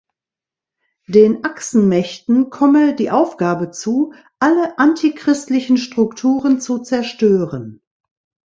Den Achsenmächten komme die Aufgabe zu, alle „antichristlichen Strukturen“ zu zerstören.